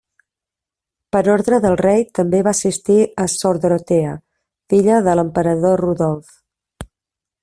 Per ordre del rei també va assistir a sor Dorotea, filla de l'emperador Rodolf.